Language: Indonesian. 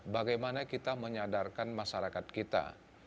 bagaimana kita menyadarkan masyarakat kita